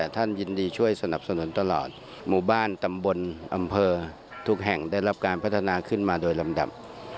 ท่านยินดีช่วยสนับสนุนตลอดหมู่บ้านตำบลอำเภอทุกแห่งได้รับการพัฒนาขึ้นมาโดยลำดับ